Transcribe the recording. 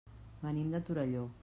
Venim de Torelló.